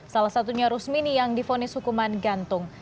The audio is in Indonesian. salah satunya rusmini yang difonis hukuman gantung